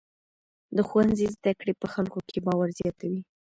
د ښوونځي زده کړې په خلکو کې باور زیاتوي.